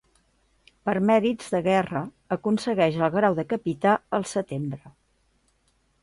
Per mèrits de guerra aconsegueix el grau de capità al setembre.